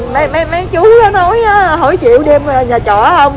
tại vì mấy chú nói hỏi chịu đem về nhà chọ không